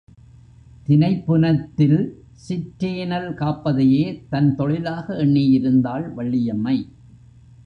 தினைப் புனத்தில் சிற்றேனல் காப்பதையே தன் தொழிலாக எண்ணியிருந்தாள் வள்ளியம்மை.